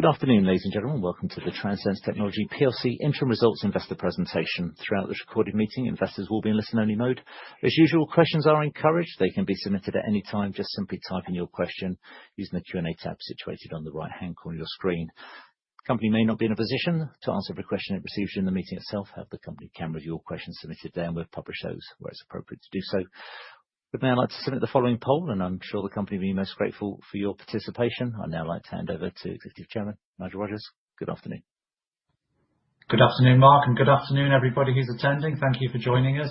Good afternoon, ladies and gentlemen. Welcome to the Transense Technologies Interim Results Investor Presentation. Throughout this recorded meeting, investors will be in listen-only mode. As usual, questions are encouraged. They can be submitted at any time. Just simply type in your question using the Q&A tab situated on the right-hand corner of your screen. The company may not be in a position to answer every question it receives during the meeting itself. However, the company can review your questions submitted there and will publish responses where it's appropriate to do so. We'd now like to submit the following poll, and I'm sure the company will be most grateful for your participation. I'd now like to hand over to Executive Chairman Nigel Rogers. Good afternoon. Good afternoon, Mark, and good afternoon, everybody who's attending. Thank you for joining us.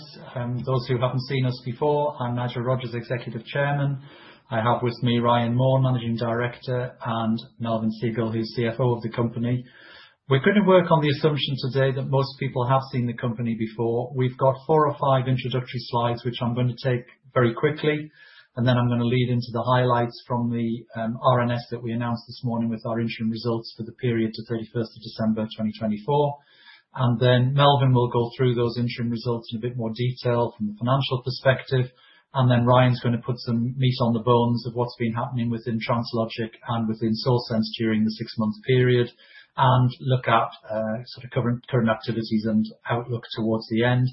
Those who haven't seen us before, I'm Nigel Rogers, Executive Chairman. I have with me Ryan Maughan, Managing Director, and Melvyn Segal, who's CFO of the company. We're going to work on the assumption today that most people have seen the company before. We've got four or five introductory slides, which I'm going to take very quickly, and then I'm going to lead into the highlights from the RNS that we announced this morning with our interim results for the period to 31st of December 2024. Melvyn will go through those interim results in a bit more detail from the financial perspective. Ryan's going to put some meat on the bones of what's been happening within Translogik and within SAWsense during the six-month period and look at sort of current activities and outlook towards the end.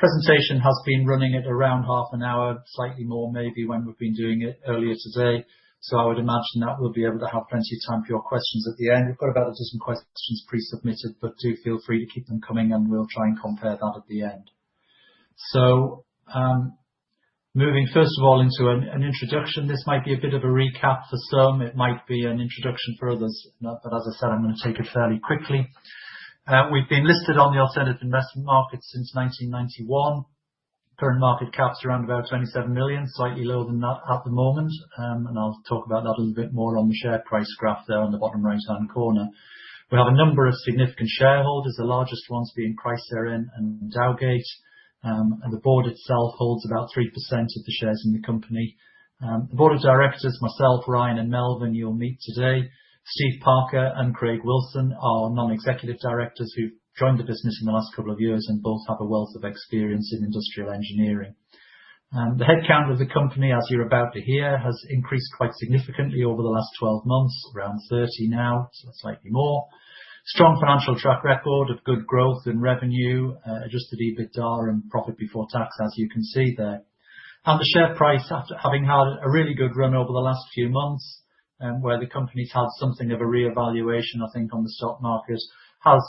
The presentation has been running at around half an hour, slightly more maybe when we've been doing it earlier today. I would imagine that we'll be able to have plenty of time for your questions at the end. We've got about a dozen questions pre-submitted, but do feel free to keep them coming, and we'll try and compare that at the end. Moving first of all into an introduction, this might be a bit of a recap for some. It might be an introduction for others. As I said, I'm going to take it fairly quickly. We've been listed on the Alternative Investment Market since 1991. Current market cap is around about 27 million, slightly lower than that at the moment. I'll talk about that a little bit more on the share price graph there on the bottom right-hand corner. We have a number of significant shareholders, the largest ones being Chrysalis and Dowgate. The board itself holds about 3% of the shares in the company. The board of directors, myself, Ryan, and Melvyn, you'll meet today, Steve Parker and Craig Wilson, are non-executive directors who've joined the business in the last couple of years and both have a wealth of experience in industrial engineering. The headcount of the company, as you're about to hear, has increased quite significantly over the last 12 months, around 30 now, so slightly more. Strong financial track record of good growth and revenue, adjusted EBITDA and profit before tax, as you can see there. The share price, having had a really good run over the last few months, where the company has had something of a re-evaluation, I think, on the stock market, has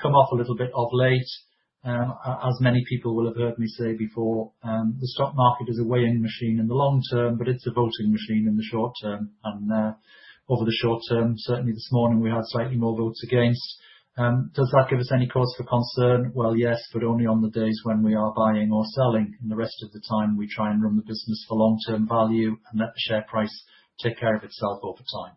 come off a little bit of late. As many people will have heard me say before, the stock market is a weighing machine in the long term, but it is a voting machine in the short term. Over the short term, certainly this morning, we had slightly more votes against. Does that give us any cause for concern? Yes, but only on the days when we are buying or selling. The rest of the time, we try and run the business for long-term value and let the share price take care of itself over time.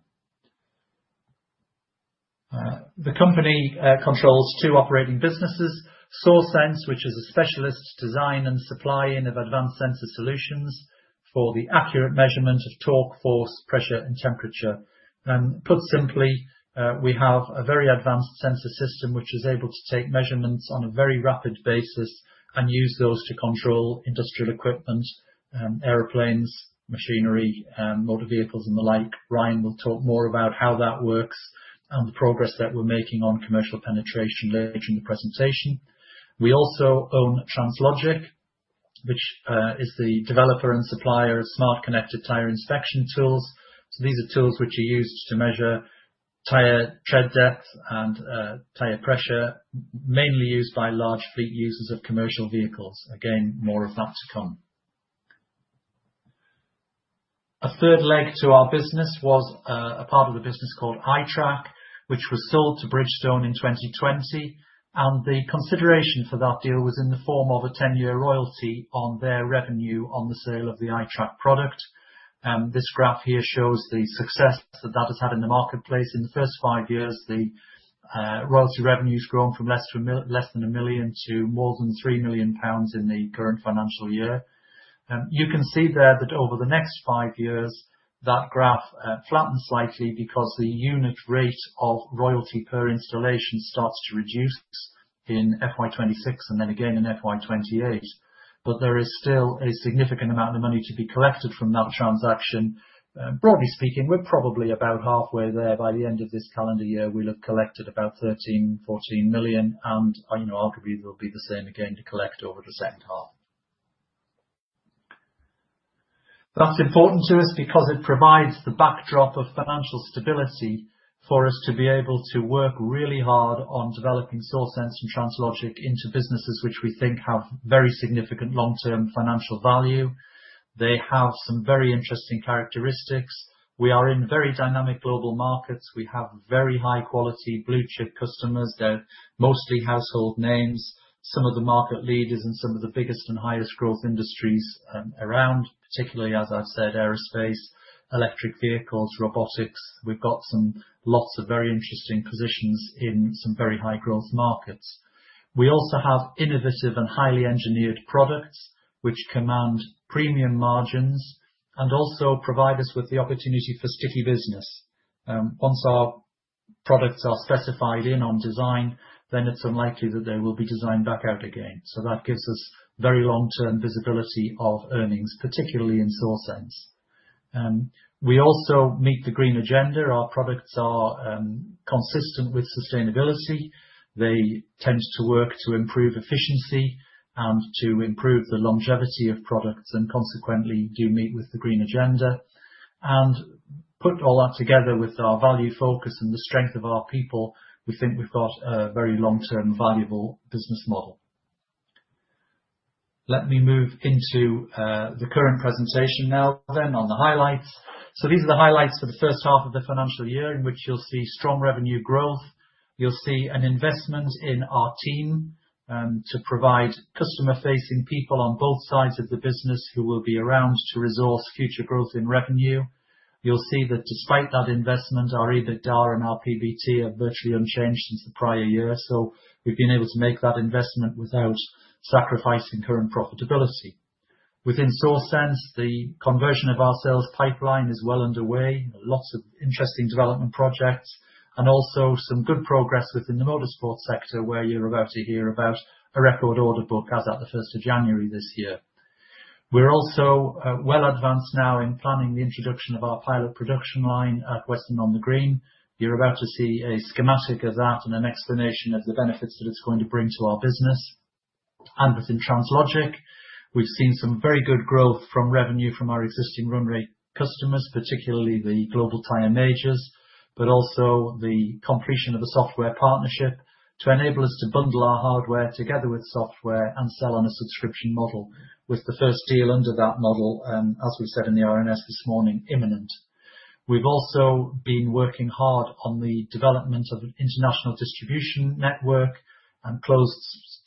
The company controls two operating businesses: SAWsense, which is a specialist design and supply in of advanced sensor solutions for the accurate measurement of torque, force, pressure, and temperature. Put simply, we have a very advanced sensor system which is able to take measurements on a very rapid basis and use those to control industrial equipment, airplanes, machinery, motor vehicles, and the like. Ryan will talk more about how that works and the progress that we're making on commercial penetration later in the presentation. We also own Translogik, which is the developer and supplier of smart connected tire inspection tools. These are tools which are used to measure tire tread depth and tire pressure, mainly used by large fleet users of commercial vehicles. Again, more of that to come. A third leg to our business was a part of the business called iTrack, which was sold to Bridgestone in 2020. The consideration for that deal was in the form of a 10-year royalty on their revenue on the sale of the iTrack product. This graph here shows the success that that has had in the marketplace. In the first five years, the royalty revenue has grown from less than 1 million to more than 3 million pounds in the current financial year. You can see there that over the next five years, that graph flattens slightly because the unit rate of royalty per installation starts to reduce in FY 2026 and then again in FY 2028. There is still a significant amount of money to be collected from that transaction. Broadly speaking, we're probably about halfway there. By the end of this calendar year, we'll have collected about 13 million-14 million. Arguably, there'll be the same again to collect over the second half. That's important to us because it provides the backdrop of financial stability for us to be able to work really hard on developing SAWsense and Translogik into businesses which we think have very significant long-term financial value. They have some very interesting characteristics. We are in very dynamic global markets. We have very high-quality blue-chip customers. They're mostly household names. Some of the market leaders and some of the biggest and highest growth industries around, particularly, as I've said, aerospace, electric vehicles, robotics. We've got some lots of very interesting positions in some very high-growth markets. We also have innovative and highly engineered products which command premium margins and also provide us with the opportunity for sticky business. Once our products are specified in on design, then it's unlikely that they will be designed back out again. That gives us very long-term visibility of earnings, particularly in SAWsense. We also meet the green agenda. Our products are consistent with sustainability. They tend to work to improve efficiency and to improve the longevity of products and consequently do meet with the green agenda. Put all that together with our value focus and the strength of our people, we think we've got a very long-term valuable business model. Let me move into the current presentation now on the highlights. These are the highlights for the first half of the financial year in which you'll see strong revenue growth. You'll see an investment in our team to provide customer-facing people on both sides of the business who will be around to resource future growth in revenue. You'll see that despite that investment, our EBITDA and our PBT are virtually unchanged since the prior year. We've been able to make that investment without sacrificing current profitability. Within SAWsense, the conversion of our sales pipeline is well underway. Lots of interesting development projects and also some good progress within the motorsport sector where you're about to hear about a record order book as at the 1st of January this year. We're also well advanced now in planning the introduction of our pilot production line at Weston-on-the-Green. You're about to see a schematic of that and an explanation of the benefits that it's going to bring to our business. Within Translogik, we've seen some very good growth from revenue from our existing runway customers, particularly the global tire majors, but also the completion of a software partnership to enable us to bundle our hardware together with software and sell on a subscription model with the first deal under that model, as we said in the RNS this morning, imminent. We've also been working hard on the development of an international distribution network and closed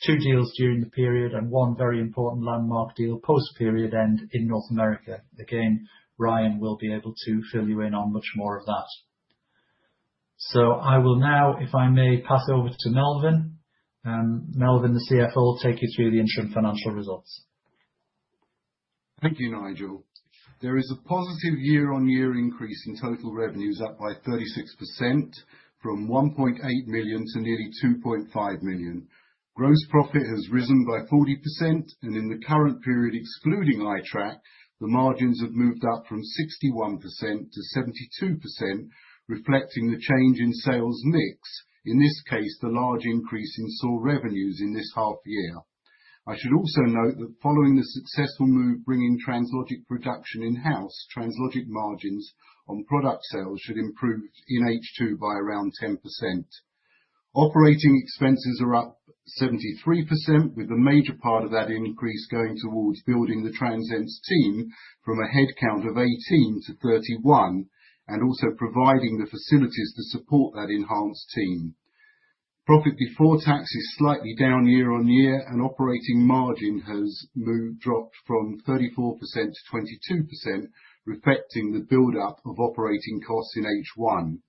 two deals during the period and one very important landmark deal post-period end in North America. Ryan will be able to fill you in on much more of that. I will now, if I may, pass over to Melvyn. Melvyn Segal, the CFO, will take you through the interim financial results. Thank you, Nigel. There is a positive year-on-year increase in total revenues, up by 36% from 1.8 million to nearly 2.5 million. Gross profit has risen by 40%. In the current period, excluding iTrack, the margins have moved up from 61% to 72%, reflecting the change in sales mix, in this case, the large increase in Translogik revenues in this half year. I should also note that following the successful move bringing Translogik production in-house, Translogik margins on product sales should improve in H2 by around 10%. Operating expenses are up 73%, with a major part of that increase going towards building the Transense team from a headcount of 18 to 31 and also providing the facilities to support that enhanced team. Profit before tax is slightly down year on year, and operating margin has dropped from 34% to 22%, reflecting the build-up of operating costs in H1.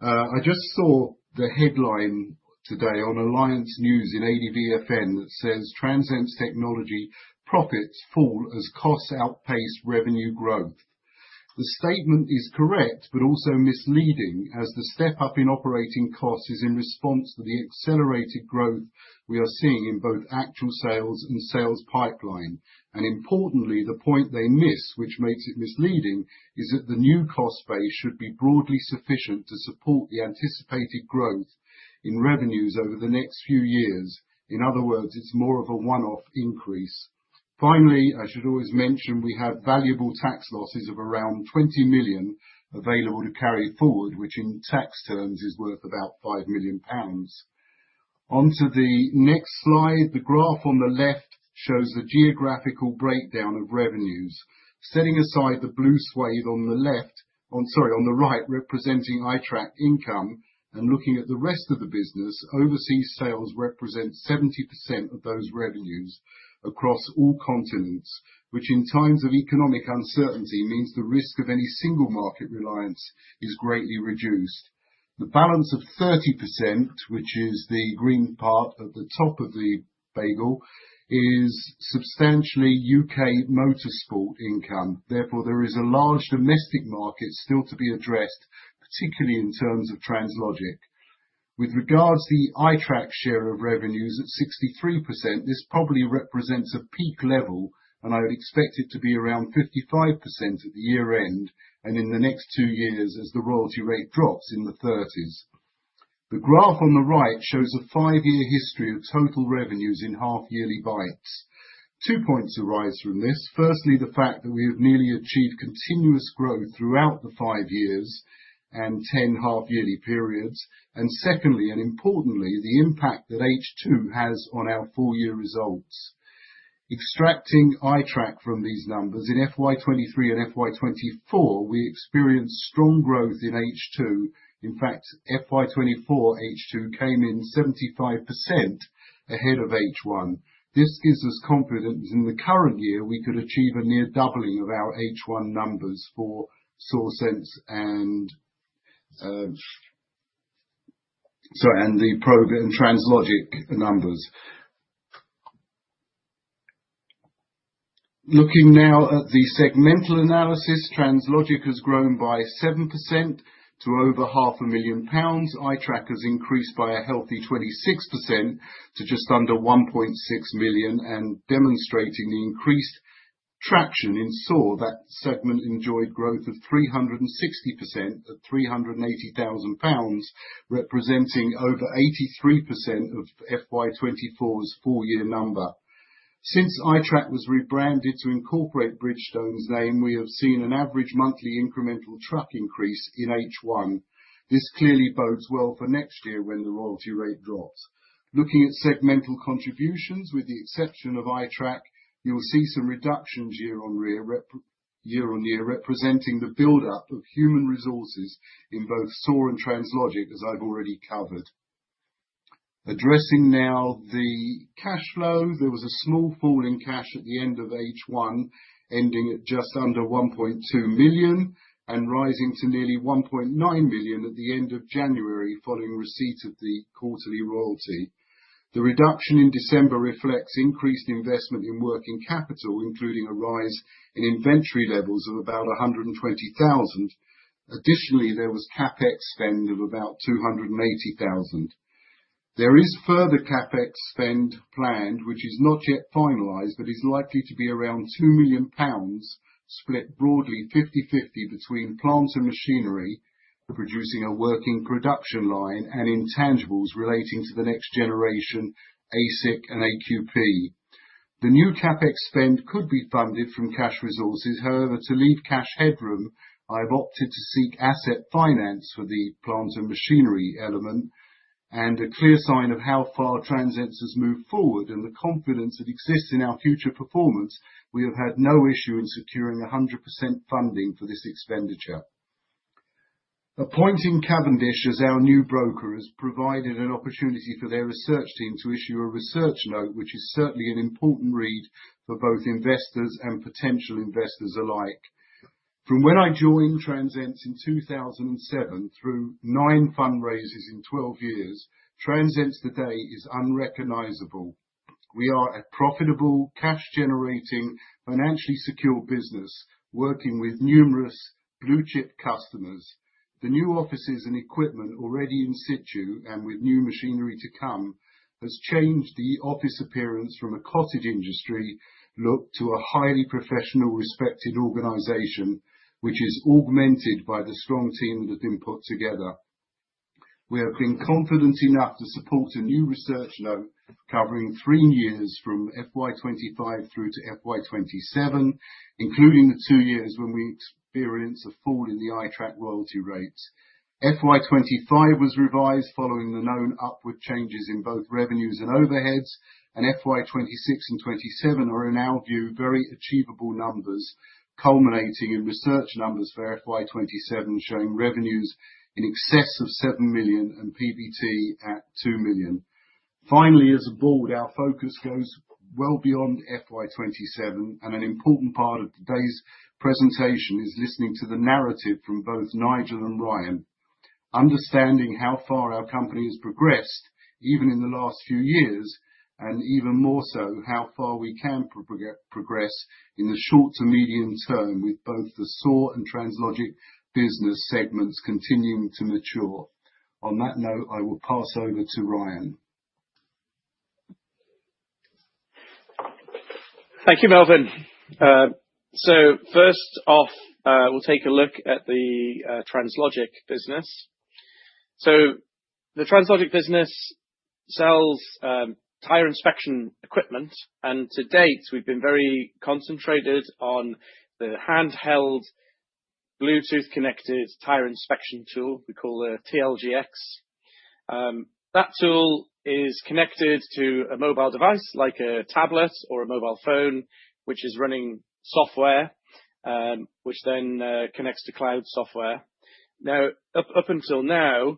I just saw the headline today on Alliance News in ADFBN that says Transense Technologies profits fall as costs outpace revenue growth. The statement is correct but also misleading as the step-up in operating costs is in response to the accelerated growth we are seeing in both actual sales and sales pipeline. Importantly, the point they miss, which makes it misleading, is that the new cost base should be broadly sufficient to support the anticipated growth in revenues over the next few years. In other words, it's more of a one-off increase. Finally, I should always mention we have valuable tax losses of around 20 million available to carry forward, which in tax terms is worth about 5 million pounds. Onto the next slide. The graph on the left shows the geographical breakdown of revenues. Setting aside the blue suede on the left—sorry, on the right representing iTrack income and looking at the rest of the business, overseas sales represent 70% of those revenues across all continents, which in times of economic uncertainty means the risk of any single market reliance is greatly reduced. The balance of 30%, which is the green part at the top of the bagel, is substantially U.K. motorsport income. Therefore, there is a large domestic market still to be addressed, particularly in terms of Translogik. With regards to the iTrack share of revenues at 63%, this probably represents a peak level, and I would expect it to be around 55% at the year end and in the next two years as the royalty rate drops in the 30s. The graph on the right shows a five-year history of total revenues in half-yearly bytes. Two points arise from this. Firstly, the fact that we have nearly achieved continuous growth throughout the five years and 10 half-yearly periods. Secondly, and importantly, the impact that H2 has on our four-year results. Extracting iTrack from these numbers, in FY2023 and FY2024, we experienced strong growth in H2. In fact, FY2024 H2 came in 75% ahead of H1. This gives us confidence in the current year we could achieve a near doubling of our H1 numbers for SAWsense and the Translogik numbers. Looking now at the segmental analysis, Translogik has grown by 7% to over GBP 500,000. iTrack has increased by a healthy 26% to just under 1.6 million and demonstrating the increased traction in SAWsense. That segment enjoyed growth of 360% at 380,000 pounds, representing over 83% of FY2024's four-year number. Since iTrack was rebranded to incorporate Bridgestone's name, we have seen an average monthly incremental truck increase in H1. This clearly bodes well for next year when the royalty rate drops. Looking at segmental contributions, with the exception of iTrack, you'll see some reductions year on year representing the build-up of human resources in both SAWsense and Translogik, as I've already covered. Addressing now the cash flow, there was a small fall in cash at the end of H1, ending at just under 1.2 million and rising to nearly 1.9 million at the end of January following receipt of the quarterly royalty. The reduction in December reflects increased investment in working capital, including a rise in inventory levels of about 120,000. Additionally, there was CapEx spend of about 280,000. There is further CapEx spend planned, which is not yet finalized, but is likely to be around 2 million pounds, split broadly 50/50 between plants and machinery for producing a working production line and intangibles relating to the next generation ASIC and AQP. The new CapEx spend could be funded from cash resources. However, to leave cash headroom, I've opted to seek asset finance for the plants and machinery element. A clear sign of how far Transense has moved forward and the confidence that exists in our future performance, we have had no issue in securing 100% funding for this expenditure. Appointing Cavendish as our new broker has provided an opportunity for their research team to issue a research note, which is certainly an important read for both investors and potential investors alike. From when I joined Transense in 2007 through nine fundraisers in 12 years, Transense today is unrecognizable. We are a profitable, cash-generating, financially secure business working with numerous blue-chip customers. The new offices and equipment already in situ and with new machinery to come has changed the office appearance from a cottage industry look to a highly professional, respected organization, which is augmented by the strong team that has been put together. We have been confident enough to support a new research note covering three years from FY2025 through to FY2027, including the two years when we experience a fall in the iTrack royalty rates. FY2025 was revised following the known upward changes in both revenues and overheads, and FY2026 and 2027 are in our view very achievable numbers, culminating in research numbers for FY2027 showing revenues in excess of 7 million and PBT at 2 million. Finally, as a board, our focus goes well beyond FY27, and an important part of today's presentation is listening to the narrative from both Nigel and Ryan, understanding how far our company has progressed even in the last few years and even more so how far we can progress in the short to medium term with both the SAWsense and Translogik business segments continuing to mature. On that note, I will pass over to Ryan Maughan. Thank you, Melvyn. First off, we'll take a look at the Translogik business. The Translogik business sells tire inspection equipment, and to date, we've been very concentrated on the handheld Bluetooth-connected tire inspection tool we call the TLGX. That tool is connected to a mobile device like a tablet or a mobile phone, which is running software, which then connects to cloud software. Up until now,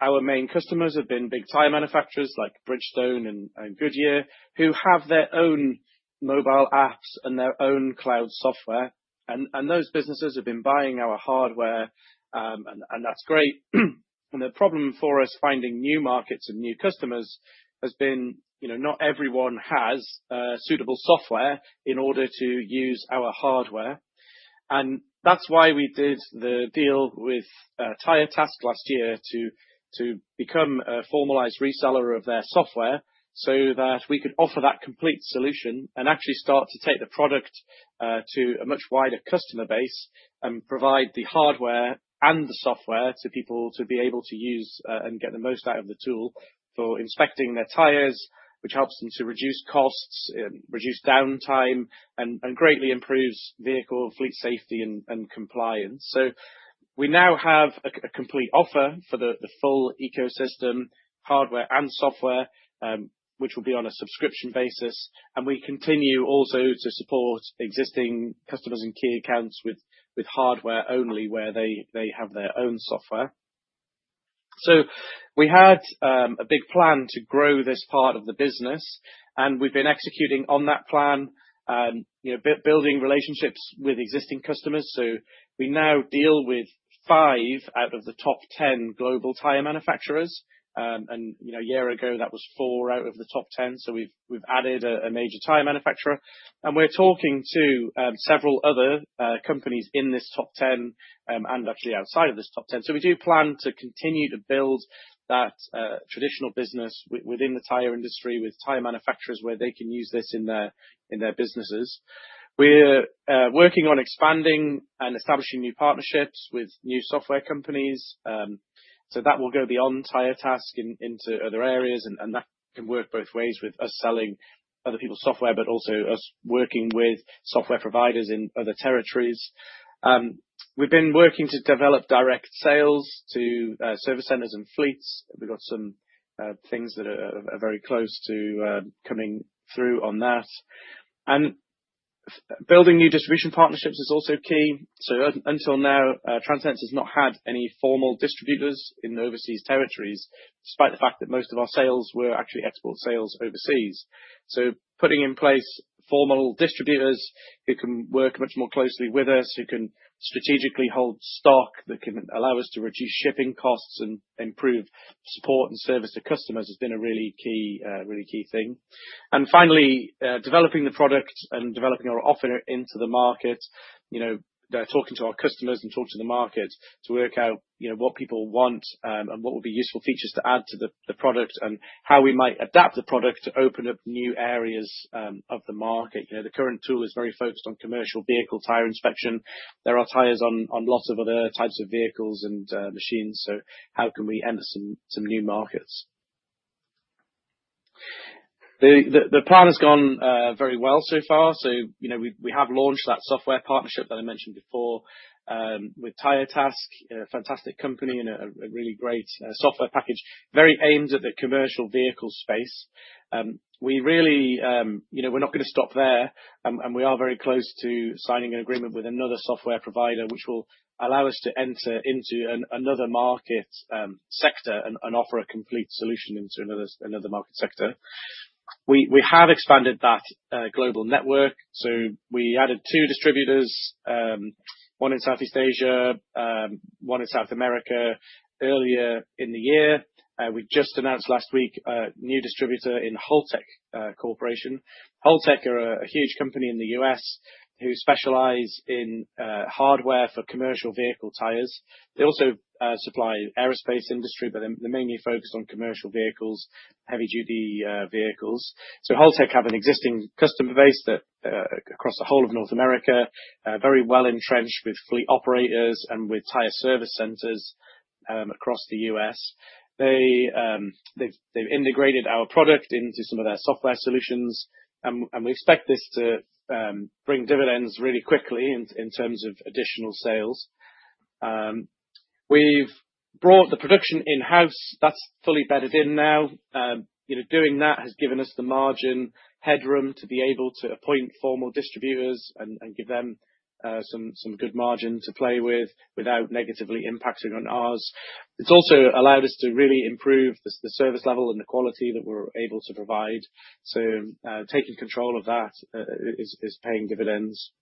our main customers have been big tire manufacturers like Bridgestone and Goodyear, who have their own mobile apps and their own cloud software. Those businesses have been buying our hardware, and that's great. The problem for us finding new markets and new customers has been not everyone has suitable software in order to use our hardware. That is why we did the deal with Tire Task last year to become a formalized reseller of their software so that we could offer that complete solution and actually start to take the product to a much wider customer base and provide the hardware and the software to people to be able to use and get the most out of the tool for inspecting their tires, which helps them to reduce costs and reduce downtime and greatly improves vehicle fleet safety and compliance. We now have a complete offer for the full ecosystem, hardware and software, which will be on a subscription basis. We continue also to support existing customers and key accounts with hardware only where they have their own software. We had a big plan to grow this part of the business, and we have been executing on that plan, building relationships with existing customers. We now deal with five out of the top 10 global tire manufacturers. A year ago, that was four out of the top 10. We have added a major tire manufacturer. We are talking to several other companies in this top 10 and actually outside of this top 10. We do plan to continue to build that traditional business within the tire industry with tire manufacturers where they can use this in their businesses. We are working on expanding and establishing new partnerships with new software companies. That will go beyond Tire Task into other areas, and that can work both ways with us selling other people's software, but also us working with software providers in other territories. We have been working to develop direct sales to service centers and fleets. We have some things that are very close to coming through on that. Building new distribution partnerships is also key. Until now, Transense has not had any formal distributors in overseas territories, despite the fact that most of our sales were actually export sales overseas. Putting in place formal distributors who can work much more closely with us, who can strategically hold stock that can allow us to reduce shipping costs and improve support and service to customers has been a really key thing. Finally, developing the product and developing our offer into the market, talking to our customers and talking to the market to work out what people want and what would be useful features to add to the product and how we might adapt the product to open up new areas of the market. The current tool is very focused on commercial vehicle tire inspection. There are tires on lots of other types of vehicles and machines, so how can we enter some new markets? The plan has gone very well so far. We have launched that software partnership that I mentioned before with Tire Task, a fantastic company and a really great software package, very aimed at the commercial vehicle space. We're not going to stop there, and we are very close to signing an agreement with another software provider, which will allow us to enter into another market sector and offer a complete solution into another market sector. We have expanded that global network. We added two distributors, one in Southeast Asia, one in South America, earlier in the year. We just announced last week a new distributor in Holtec Corporation. Holtec are a huge company in the US who specialize in hardware for commercial vehicle tires. They also supply the aerospace industry, but they're mainly focused on commercial vehicles, heavy-duty vehicles. Holtec have an existing customer base across the whole of North America, very well entrenched with fleet operators and with tire service centers across the US. They've integrated our product into some of their software solutions, and we expect this to bring dividends really quickly in terms of additional sales. We've brought the production in-house. That's fully bedded in now. Doing that has given us the margin headroom to be able to appoint formal distributors and give them some good margin to play with without negatively impacting on ours. It has also allowed us to really improve the service level and the quality that we're able to provide. Taking control of that is paying dividends.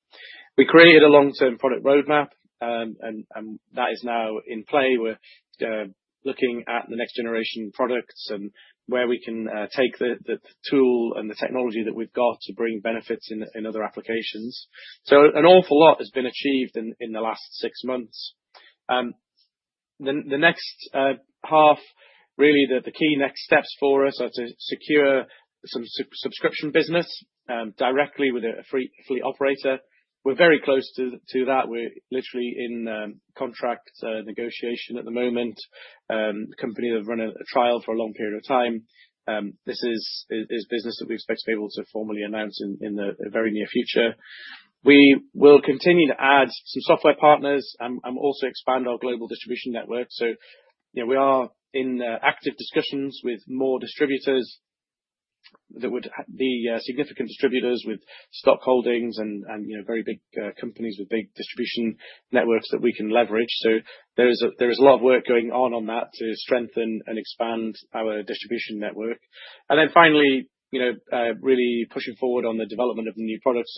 We created a long-term product roadmap, and that is now in play. We're looking at the next generation products and where we can take the tool and the technology that we've got to bring benefits in other applications. An awful lot has been achieved in the last six months. The next half, really the key next steps for us are to secure some subscription business directly with a fleet operator. We're very close to that. We're literally in contract negotiation at the moment. A company that have run a trial for a long period of time. This is business that we expect to be able to formally announce in the very near future. We will continue to add some software partners and also expand our global distribution network. We are in active discussions with more distributors that would be significant distributors with stock holdings and very big companies with big distribution networks that we can leverage. There is a lot of work going on on that to strengthen and expand our distribution network. Finally, really pushing forward on the development of the new products.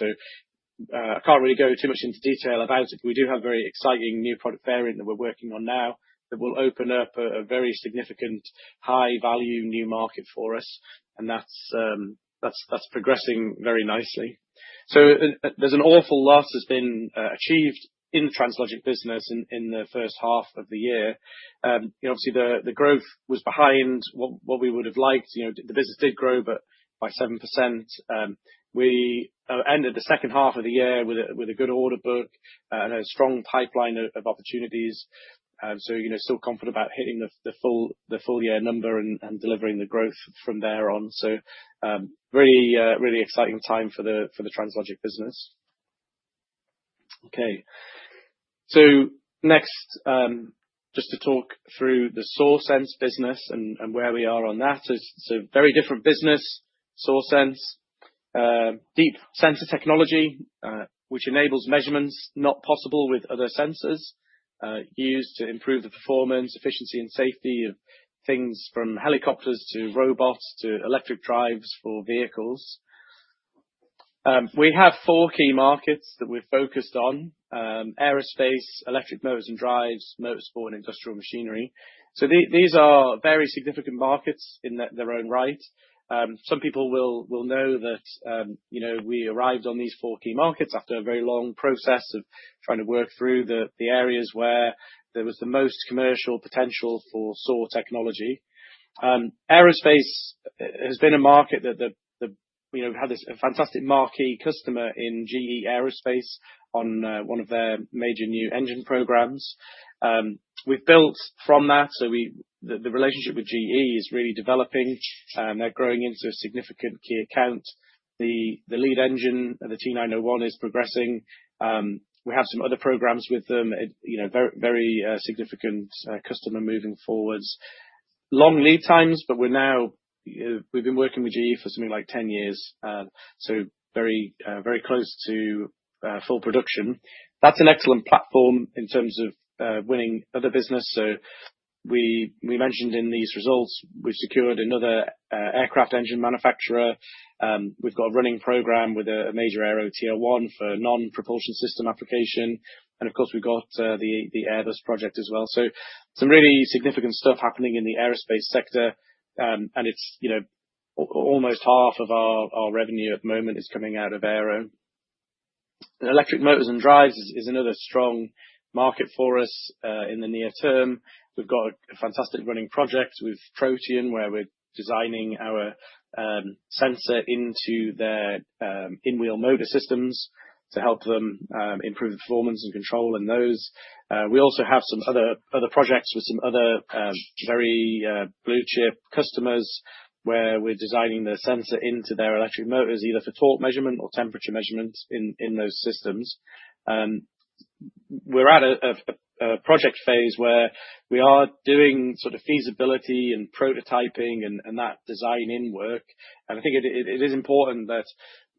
I can't really go too much into detail about it, but we do have a very exciting new product variant that we're working on now that will open up a very significant high-value new market for us, and that's progressing very nicely. There is an awful lot that's been achieved in the Translogik business in the first half of the year. Obviously, the growth was behind what we would have liked. The business did grow by 7%. We ended the second half of the year with a good order book and a strong pipeline of opportunities. Still confident about hitting the full year number and delivering the growth from there on. Really exciting time for the Translogik business. Okay. Next, just to talk through the SAWsense business and where we are on that. It's a very different business, SAWsense. Deep sensor technology, which enables measurements not possible with other sensors, used to improve the performance, efficiency, and safety of things from helicopters to robots to electric drives for vehicles. We have four key markets that we've focused on: aerospace, electric motors and drives, motorsport, and industrial machinery. These are very significant markets in their own right. Some people will know that we arrived on these four key markets after a very long process of trying to work through the areas where there was the most commercial potential for SAW technology. Aerospace has been a market that had this fantastic marquee customer in GE Aerospace on one of their major new engine programs. We've built from that. The relationship with GE is really developing. They're growing into a significant key account. The lead engine, the T901, is progressing. We have some other programs with them, very significant customer moving forwards. Long lead times, but we've been working with GE for something like 10 years, so very close to full production. That's an excellent platform in terms of winning other business. We mentioned in these results, we've secured another aircraft engine manufacturer. We've got a running program with a major aero tier one for non-propulsion system application. Of course, we've got the Airbus project as well. Some really significant stuff is happening in the aerospace sector, and almost half of our revenue at the moment is coming out of aero. Electric motors and drives is another strong market for us in the near term. We've got a fantastic running project with Protean where we're designing our sensor into their in-wheel motor systems to help them improve the performance and control in those. We also have some other projects with some other very blue chip customers where we're designing the sensor into their electric motors, either for torque measurement or temperature measurement in those systems. We're at a project phase where we are doing sort of feasibility and prototyping and that design in work. I think it is important that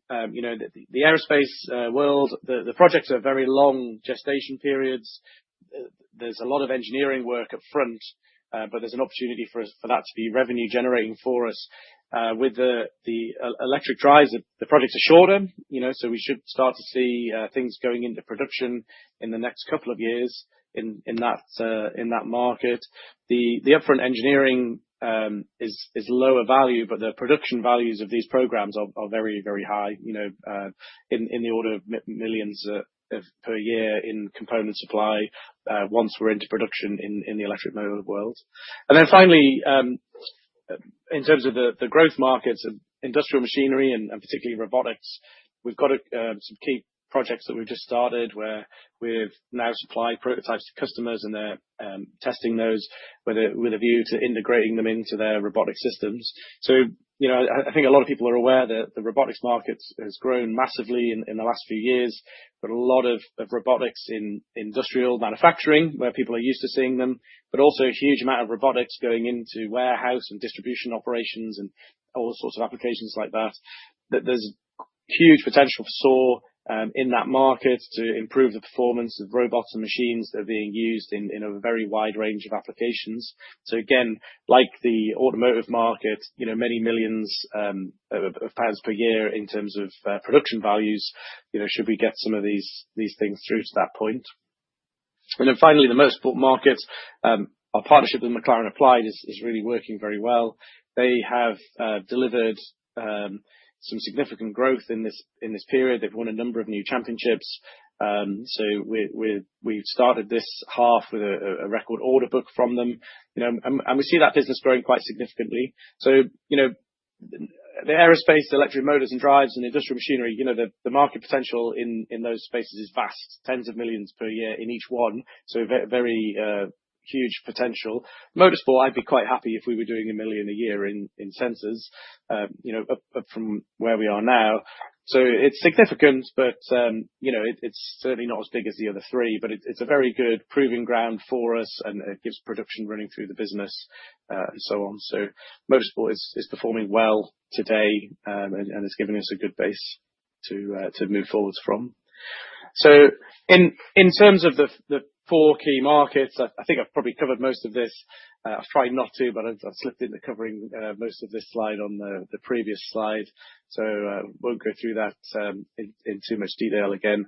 the aerospace world, the projects are very long gestation periods. There's a lot of engineering work upfront, but there's an opportunity for that to be revenue-generating for us. With the electric drives, the projects are shorter, so we should start to see things going into production in the next couple of years in that market. The upfront engineering is lower value, but the production values of these programs are very, very high, in the order of millions per year in component supply once we're into production in the electric motor world. Finally, in terms of the growth markets of industrial machinery and particularly robotics, we've got some key projects that we've just started where we've now supplied prototypes to customers, and they're testing those with a view to integrating them into their robotic systems. I think a lot of people are aware that the robotics market has grown massively in the last few years, but a lot of robotics in industrial manufacturing where people are used to seeing them, but also a huge amount of robotics going into warehouse and distribution operations and all sorts of applications like that. There's huge potential for SAWsense in that market to improve the performance of robots and machines that are being used in a very wide range of applications. Like the automotive market, many millions of GBP per year in terms of production values, should we get some of these things through to that point. Finally, the motorsport market, our partnership with McLaren Applied is really working very well. They have delivered some significant growth in this period. They have won a number of new championships. We have started this half with a record order book from them, and we see that business growing quite significantly. The aerospace, the electric motors and drives, and industrial machinery, the market potential in those spaces is vast, tens of millions per year in each one. Very huge potential. Motorsport, I'd be quite happy if we were doing $1 million a year in sensors from where we are now. It is significant, but it is certainly not as big as the other three, but it is a very good proving ground for us, and it gives production running through the business and so on. Motorsport is performing well today, and it is giving us a good base to move forwards from. In terms of the four key markets, I think I have probably covered most of this. I have tried not to, but I have slipped into covering most of this slide on the previous slide. I will not go through that in too much detail again.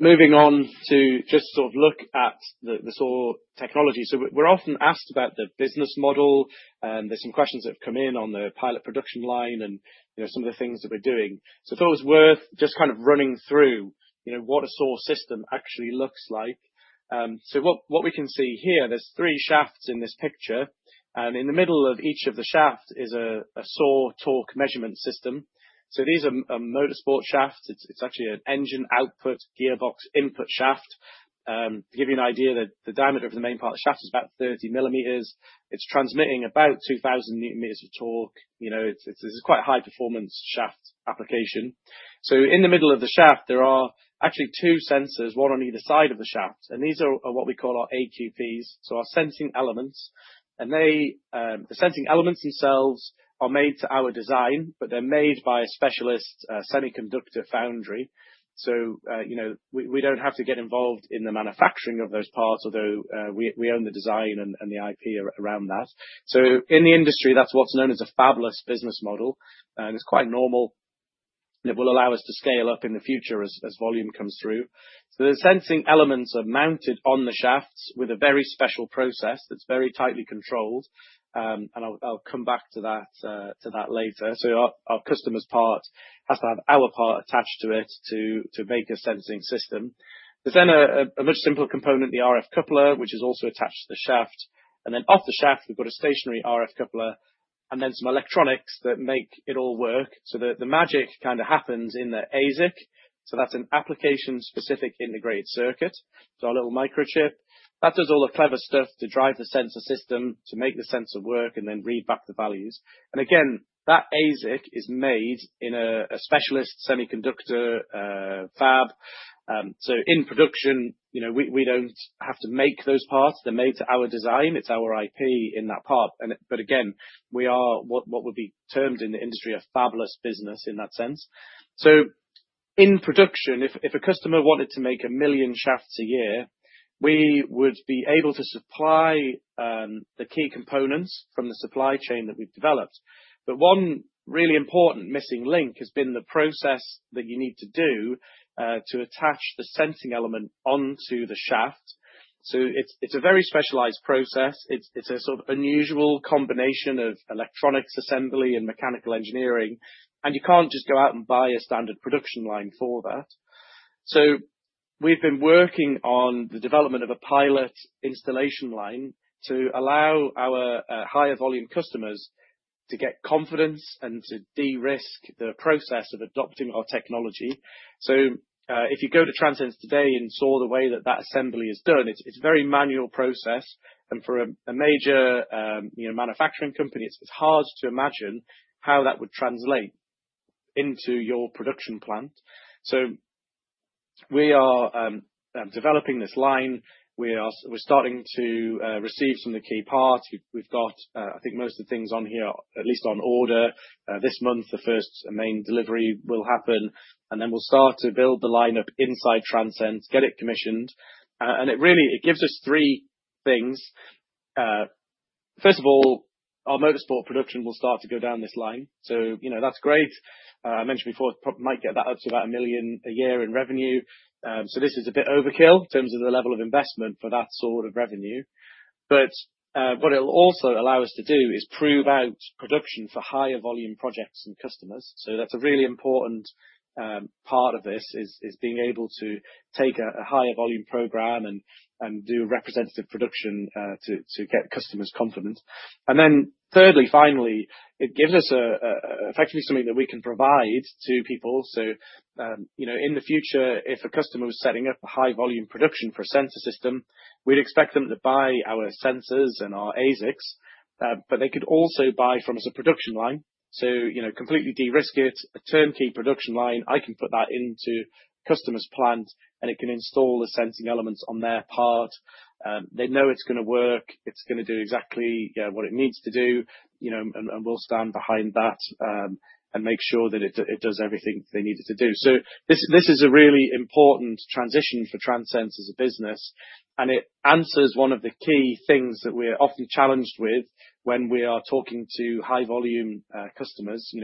Moving on to just sort of look at the SAWsense technology. We're often asked about the business model, and there's some questions that have come in on the pilot production line and some of the things that we're doing. I thought it was worth just kind of running through what a SAWsense system actually looks like. What we can see here, there's three shafts in this picture, and in the middle of each of the shafts is a SAWsense torque measurement system. These are motorsport shafts. It's actually an engine output gearbox input shaft. To give you an idea, the diameter of the main part of the shaft is about 30 millimeters. It's transmitting about 2,000 newton meters of torque. This is quite a high-performance shaft application. In the middle of the shaft, there are actually two sensors, one on either side of the shaft, and these are what we call our AQPs, so our sensing elements. The sensing elements themselves are made to our design, but they're made by a specialist semiconductor foundry. We don't have to get involved in the manufacturing of those parts, although we own the design and the IP around that. In the industry, that's what's known as a fabless business model, and it's quite normal. It will allow us to scale up in the future as volume comes through. The sensing elements are mounted on the shafts with a very special process that's very tightly controlled, and I'll come back to that later. Our customer's part has to have our part attached to it to make a sensing system. There's then a much simpler component, the RF coupler, which is also attached to the shaft. Off the shaft, we've got a stationary RF coupler and then some electronics that make it all work. The magic kind of happens in the ASIC. That's an application-specific integrated circuit. It's our little microchip. That does all the clever stuff to drive the sensor system, to make the sensor work, and then read back the values. Again, that ASIC is made in a specialist semiconductor fab. In production, we don't have to make those parts. They're made to our design. It's our IP in that part. Again, we are what would be termed in the industry a fabless business in that sense. In production, if a customer wanted to make a million shafts a year, we would be able to supply the key components from the supply chain that we've developed. One really important missing link has been the process that you need to do to attach the sensing element onto the shaft. It's a very specialized process. It's a sort of unusual combination of electronics assembly and mechanical engineering, and you can't just go out and buy a standard production line for that. We've been working on the development of a pilot installation line to allow our higher volume customers to get confidence and to de-risk the process of adopting our technology. If you go to Transense today and saw the way that that assembly is done, it's a very manual process. For a major manufacturing company, it's hard to imagine how that would translate into your production plant. We are developing this line. We're starting to receive some of the key parts. We've got, I think, most of the things on here, at least on order. This month, the first main delivery will happen, and we will start to build the lineup inside Transense, get it commissioned. It really gives us three things. First of all, our motorsport production will start to go down this line. That's great. I mentioned before, it might get up to about $1 million a year in revenue. This is a bit overkill in terms of the level of investment for that sort of revenue. What it will also allow us to do is prove out production for higher volume projects and customers. That's a really important part of this, is being able to take a higher volume program and do representative production to get customers confident. Thirdly, finally, it gives us effectively something that we can provide to people. In the future, if a customer was setting up a high volume production for a sensor system, we'd expect them to buy our sensors and our ASICs, but they could also buy from us a production line. To completely de-risk it, a turnkey production line, I can put that into customer's plant, and it can install the sensing elements on their part. They know it's going to work. It's going to do exactly what it needs to do, and we'll stand behind that and make sure that it does everything they need it to do. This is a really important transition for Transense as a business, and it answers one of the key things that we're often challenged with when we are talking to high volume customers in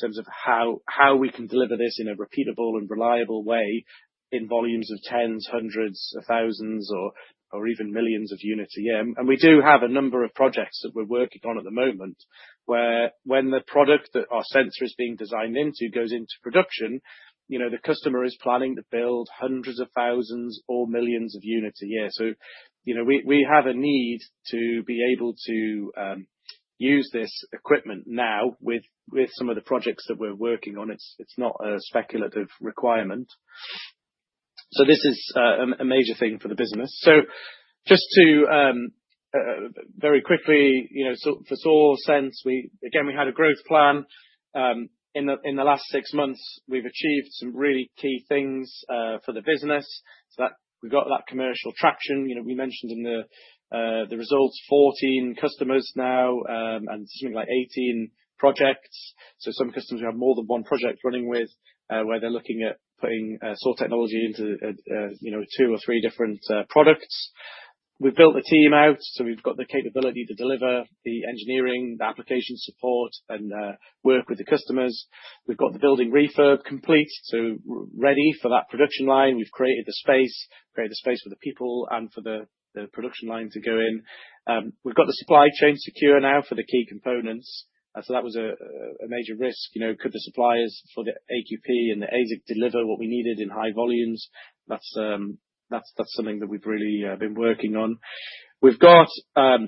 terms of how we can deliver this in a repeatable and reliable way in volumes of tens, hundreds, thousands, or even millions of units a year. We do have a number of projects that we're working on at the moment where when the product that our sensor is being designed into goes into production, the customer is planning to build hundreds of thousands or millions of units a year. We have a need to be able to use this equipment now with some of the projects that we're working on. It's not a speculative requirement. This is a major thing for the business. Just very quickly, for SAWsense, again, we had a growth plan. In the last six months, we've achieved some really key things for the business. We've got that commercial traction. We mentioned in the results, 14 customers now and something like 18 projects. Some customers have more than one project running where they're looking at putting SAW technology into two or three different products. We've built a team out, so we've got the capability to deliver the engineering, the application support, and work with the customers. We've got the building refurb complete, ready for that production line. We've created the space for the people and for the production line to go in. We've got the supply chain secure now for the key components. That was a major risk. Could the suppliers for the AQP and the ASIC deliver what we needed in high volumes? That is something that we have really been working on. We have got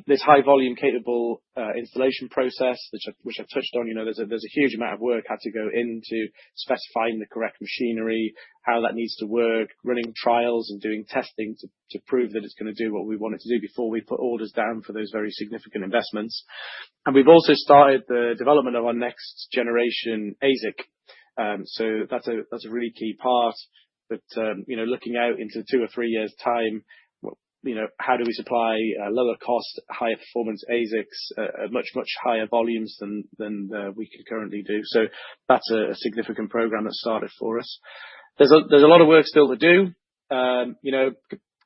this high volume capable installation process, which I have touched on. There is a huge amount of work had to go into specifying the correct machinery, how that needs to work, running trials and doing testing to prove that it is going to do what we want it to do before we put orders down for those very significant investments. We have also started the development of our next generation ASIC. That is a really key part. Looking out into two or three years' time, how do we supply lower cost, higher performance ASICs at much, much higher volumes than we can currently do? That is a significant program that started for us. There is a lot of work still to do,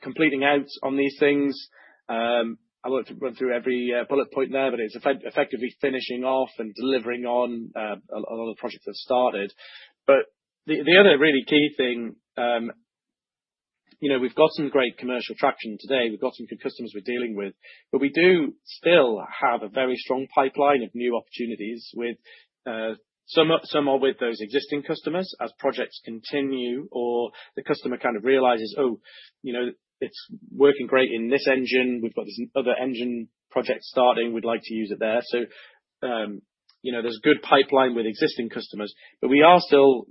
completing out on these things. I won't run through every bullet point there, but it's effectively finishing off and delivering on a lot of projects that have started. The other really key thing, we've got some great commercial traction today. We've got some good customers we're dealing with. We do still have a very strong pipeline of new opportunities, some more with those existing customers as projects continue or the customer kind of realizes, "Oh, it's working great in this engine. We've got this other engine project starting. We'd like to use it there." There's a good pipeline with existing customers, but we are still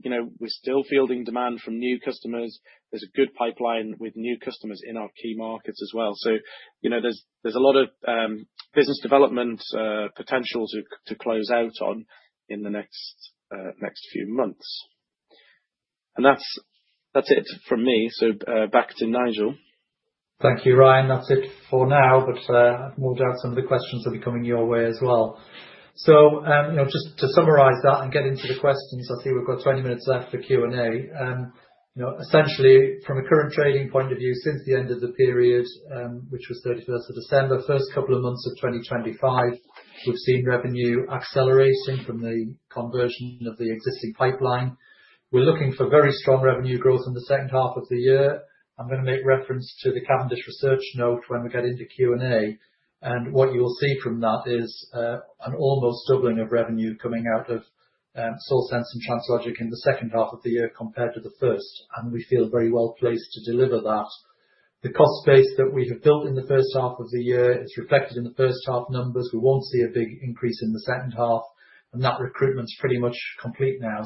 fielding demand from new customers. There's a good pipeline with new customers in our key markets as well. There's a lot of business development potential to close out on in the next few months. That's it from me. Back to Nigel Rogers. Thank you, Ryan. That's it for now, but I've moved out some of the questions that are coming your way as well. Just to summarize that and get into the questions, I see we've got 20 minutes left for Q&A. Essentially, from a current trading point of view, since the end of the period, which was 31 December, first couple of months of 2025, we've seen revenue accelerating from the conversion of the existing pipeline. We're looking for very strong revenue growth in the second half of the year. I'm going to make reference to the Cavendish research note when we get into Q&A. What you will see from that is an almost doubling of revenue coming out of SAWsense and Translogik in the second half of the year compared to the first. We feel very well placed to deliver that. The cost base that we have built in the first half of the year is reflected in the first half numbers. We won't see a big increase in the second half, and that recruitment's pretty much complete now.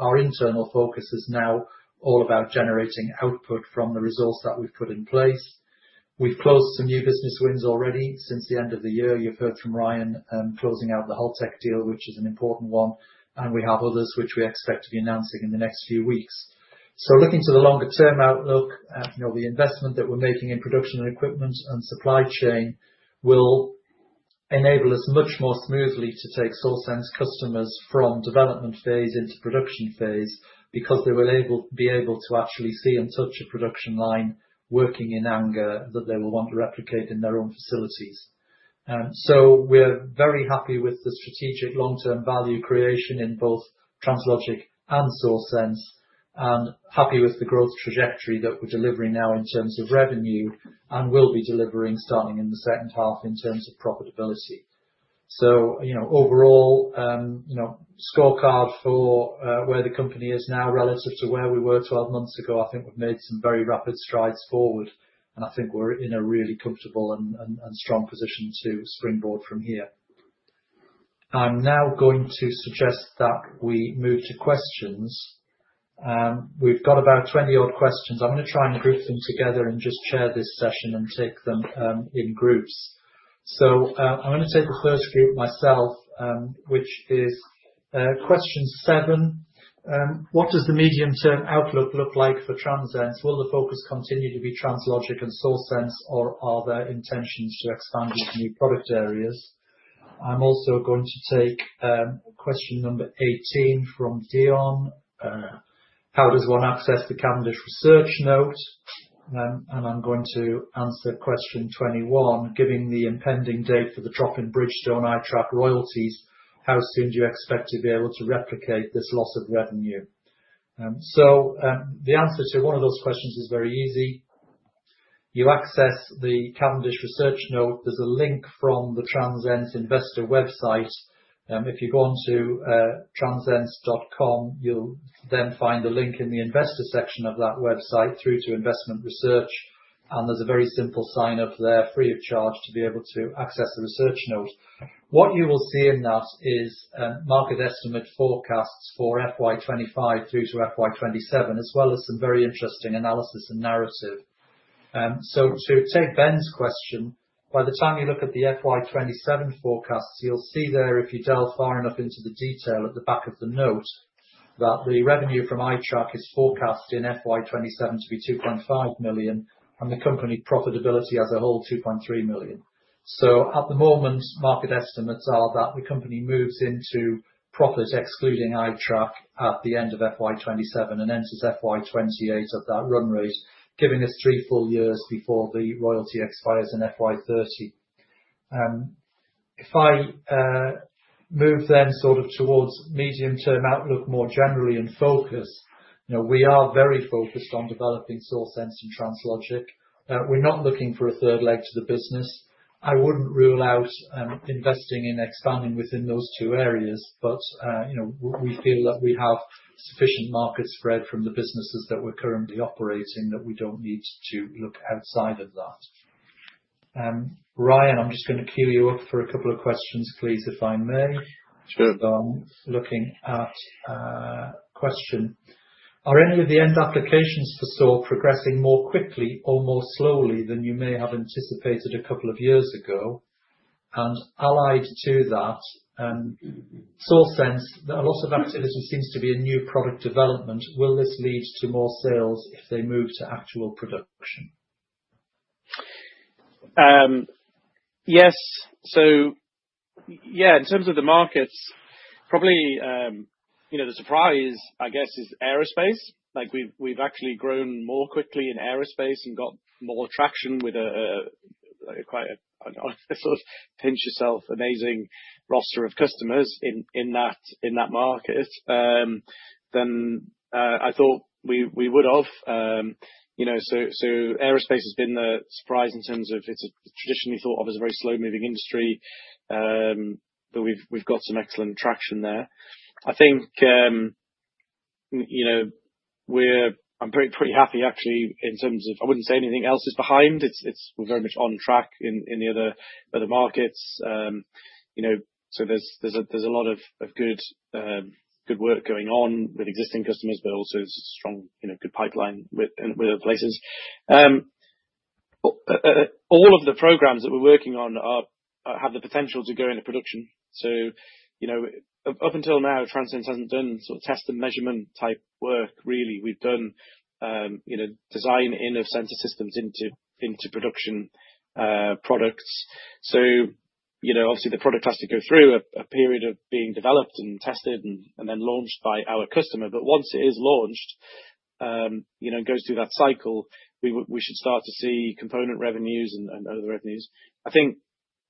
Our internal focus is now all about generating output from the resource that we've put in place. We've closed some new business wins already since the end of the year. You've heard from Ryan closing out the Holtec deal, which is an important one. We have others which we expect to be announcing in the next few weeks. Looking to the longer-term outlook, the investment that we're making in production and equipment and supply chain will enable us much more smoothly to take SAWsense customers from development phase into production phase because they will be able to actually see and touch a production line working in anger that they will want to replicate in their own facilities. We are very happy with the strategic long-term value creation in both Translogik and SAWsense and happy with the growth trajectory that we're delivering now in terms of revenue and will be delivering starting in the second half in terms of profitability. Overall, scorecard for where the company is now relative to where we were 12 months ago, I think we've made some very rapid strides forward, and I think we're in a really comfortable and strong position to springboard from here. I'm now going to suggest that we move to questions. We've got about 20 odd questions. I'm going to try and group them together and just chair this session and take them in groups. I'm going to take the first group myself, which is question seven. What does the medium-term outlook look like for Transense? Will the focus continue to be Translogik and SAWsense, or are there intentions to expand into new product areas? I'm also going to take question number 18 from Dion. How does one access the Cavendish research note? I'm going to answer question 21. Given the impending date for the drop in Bridgestone iTrack royalties, how soon do you expect to be able to replicate this loss of revenue? The answer to one of those questions is very easy. You access the Cavendish research note. There's a link from the Transense investor website. If you go on to transense.com, you'll then find the link in the investor section of that website through to investment research. There's a very simple sign-up there, free of charge, to be able to access the research note. What you will see in that is market estimate forecasts for FY2025 through to FY2027, as well as some very interesting analysis and narrative. To take Ben's question, by the time you look at the FY2027 forecasts, you'll see there, if you delve far enough into the detail at the back of the note, that the revenue from iTrack is forecast in FY2027 to be 2.5 million and the company profitability as a whole, 2.3 million. At the moment, market estimates are that the company moves into profit excluding iTrack at the end of FY 2027 and enters FY 2028 at that run rate, giving us three full years before the royalty expires in FY 2030. If I move then sort of towards medium-term outlook more generally and focus, we are very focused on developing SAWsense and Translogik. We're not looking for a third leg to the business. I wouldn't rule out investing in expanding within those two areas, but we feel that we have sufficient market spread from the businesses that we're currently operating that we don't need to look outside of that. Ryan, I'm just going to queue you up for a couple of questions, please, if I may. Sure. Looking at question. Are any of the end applications for SAWsense progressing more quickly or more slowly than you may have anticipated a couple of years ago? Allied to that, SAWsense, a lot of activity seems to be in new product development. Will this lead to more sales if they move to actual production? Yes. Yeah, in terms of the markets, probably the surprise, I guess, is aerospace. We've actually grown more quickly in aerospace and got more traction with a sort of pinch yourself amazing roster of customers in that market than I thought we would have. Aerospace has been the surprise in terms of it's traditionally thought of as a very slow-moving industry, but we've got some excellent traction there. I think I'm pretty happy, actually, in terms of I wouldn't say anything else is behind. We're very much on track in the other markets. There's a lot of good work going on with existing customers, but also strong, good pipeline with other places. All of the programs that we're working on have the potential to go into production. Up until now, Transense hasn't done sort of test and measurement type work, really. We've done design in of sensor systems into production products. Obviously, the product has to go through a period of being developed and tested and then launched by our customer. Once it is launched and goes through that cycle, we should start to see component revenues and other revenues. I think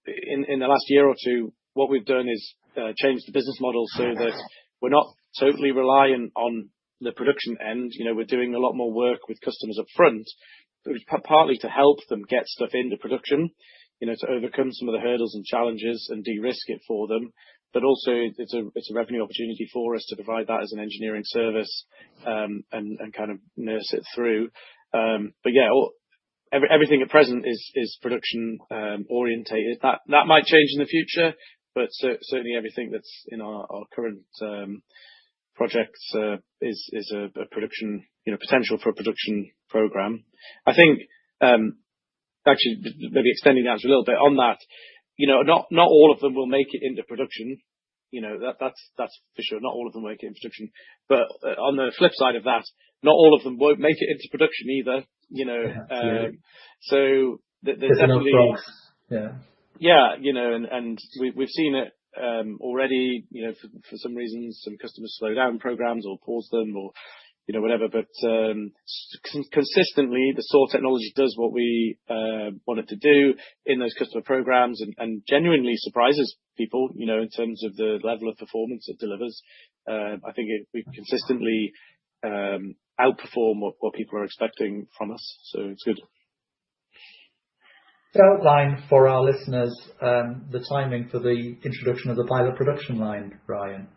in the last year or two, what we've done is changed the business model so that we're not totally reliant on the production end. We're doing a lot more work with customers upfront, partly to help them get stuff into production, to overcome some of the hurdles and challenges and de-risk it for them. Also, it's a revenue opportunity for us to provide that as an engineering service and kind of nurse it through. Yeah, everything at present is production-orientated. That might change in the future, but certainly everything that's in our current projects is a production potential for a production program. I think, actually, maybe extending the answer a little bit on that, not all of them will make it into production. That's for sure. Not all of them will make it into production. On the flip side of that, not all of them won't make it into production either. So there's definitely. There are no folks. Yeah. Yeah. We have seen it already. For some reason, some customers slow down programs or pause them or whatever. Consistently, the SAWsense technology does what we want it to do in those customer programs and genuinely surprises people in terms of the level of performance it delivers. I think we consistently outperform what people are expecting from us. It is good. To outline for our listeners, the timing for the introduction of the pilot production line, Ryan.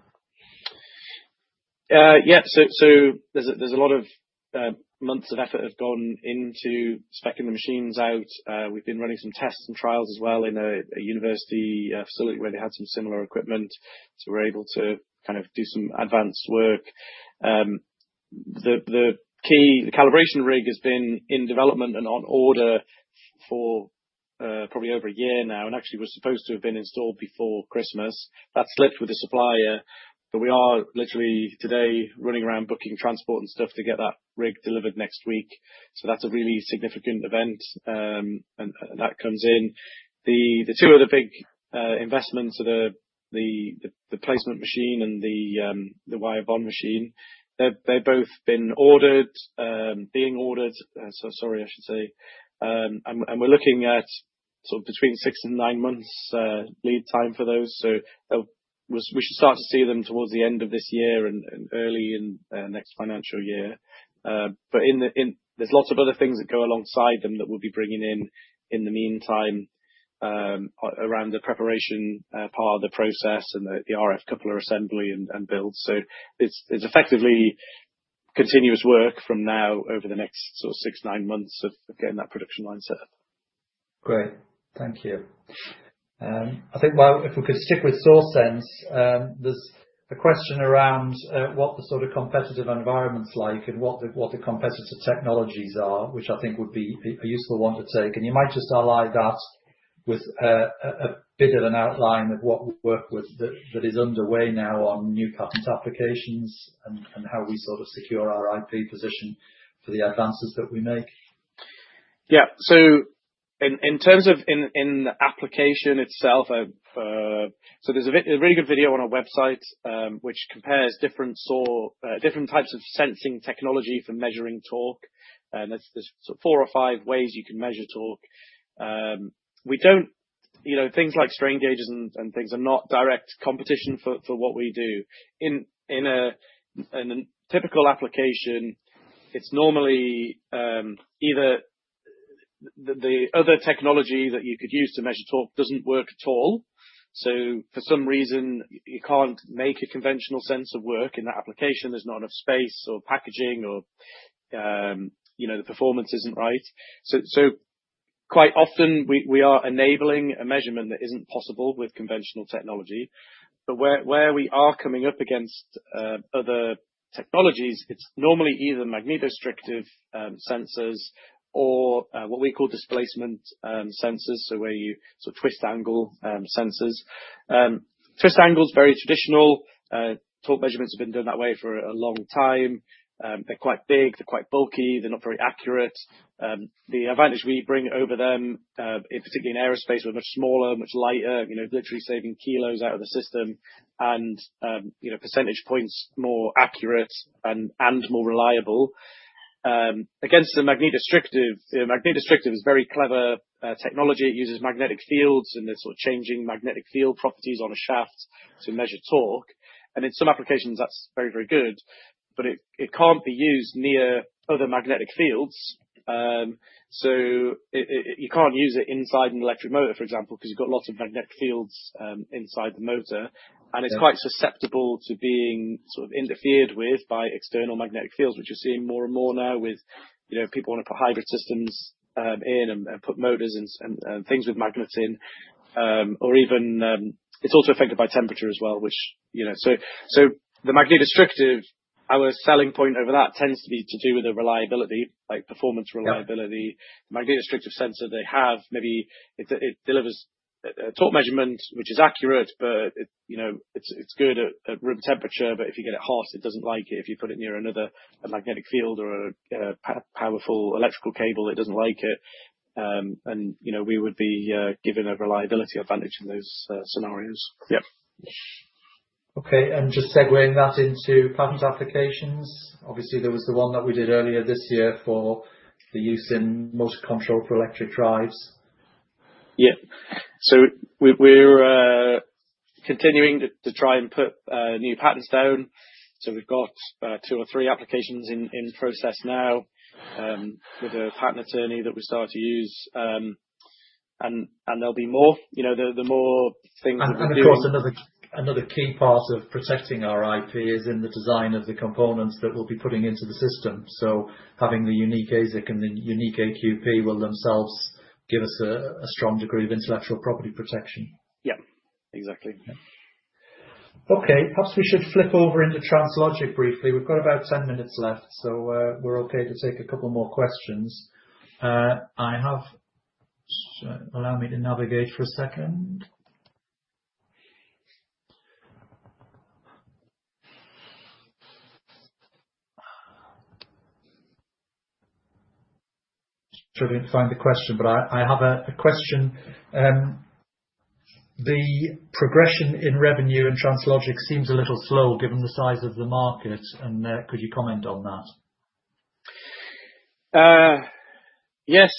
Yeah. There is a lot of months of effort have gone into speccing the machines out. We've been running some tests and trials as well in a university facility where they had some similar equipment. We are able to kind of do some advanced work. The calibration rig has been in development and on order for probably over a year now and actually was supposed to have been installed before Christmas. That slipped with the supplier. We are literally today running around booking transport and stuff to get that rig delivered next week. That is a really significant event. That comes in. The two other big investments are the placement machine and the wire bond machine. They have both been ordered, being ordered, sorry, I should say. We are looking at sort of between six and nine months lead time for those. We should start to see them towards the end of this year and early in next financial year. There are lots of other things that go alongside them that we'll be bringing in in the meantime around the preparation part of the process and the RF coupler assembly and build. It is effectively continuous work from now over the next sort of six, nine months of getting that production line set up. Great. Thank you. I think if we could stick with SAWsense, there's a question around what the sort of competitive environment's like and what the competitive technologies are, which I think would be a useful one to take. You might just ally that with a bit of an outline of what work that is underway now on new patent applications and how we sort of secure our IP position for the advances that we make. Yeah. In terms of in the application itself, there's a really good video on our website which compares different types of sensing technology for measuring torque. There are four or five ways you can measure torque. Things like strain gauges and things are not direct competition for what we do. In a typical application, it's normally either the other technology that you could use to measure torque doesn't work at all. For some reason, you can't make a conventional sensor work in that application. There's not enough space or packaging or the performance isn't right. Quite often, we are enabling a measurement that isn't possible with conventional technology. Where we are coming up against other technologies, it's normally either magnetostrictive sensors or what we call displacement sensors, so where you sort of twist angle sensors. Twist angle is very traditional. Torque measurements have been done that way for a long time. They're quite big. They're quite bulky. They're not very accurate. The advantage we bring over them, particularly in aerospace, are much smaller, much lighter, literally saving kilos out of the system and percentage points more accurate and more reliable. Against the magnetostrictive, magnetostrictive is very clever technology. It uses magnetic fields and the sort of changing magnetic field properties on a shaft to measure torque. In some applications, that's very, very good. It can't be used near other magnetic fields. You can't use it inside an electric motor, for example, because you've got lots of magnetic fields inside the motor. It's quite susceptible to being sort of interfered with by external magnetic fields, which you're seeing more and more now with people want to put hybrid systems in and put motors and things with magnets in. It's also affected by temperature as well, which, so the magnetostrictive, our selling point over that tends to be to do with the reliability, like performance reliability. The magnetostrictive sensor, they have maybe it delivers a torque measurement, which is accurate, but it's good at room temperature. If you get it hot, it doesn't like it. If you put it near another magnetic field or a powerful electrical cable, it doesn't like it. We would be given a reliability advantage in those scenarios. Yeah. Okay. Just segueing that into patent applications. Obviously, there was the one that we did earlier this year for the use in motor control for electric drives. Yeah. We're continuing to try and put new patents down. We've got two or three applications in process now with a patent attorney that we start to use. There'll be more, the more things that we do. Of course, another key part of protecting our IP is in the design of the components that we'll be putting into the system. Having the unique ASIC and the unique AQP will themselves give us a strong degree of intellectual property protection. Yeah. Exactly. Okay. Perhaps we should flip over into Translogik briefly. We've got about 10 minutes left. We're okay to take a couple more questions. Allow me to navigate for a second. I didn't find the question, but I have a question. The progression in revenue in Translogik seems a little slow given the size of the market. Could you comment on that? Yes.